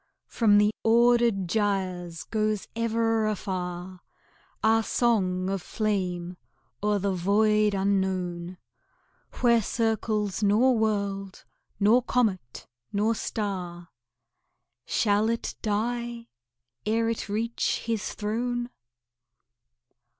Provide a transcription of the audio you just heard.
From the ordered gyres goes ever afar Our song of flame o'er the void unknown, Where circles nor world, nor comet, nor star. Shall it die ere it reach His throne?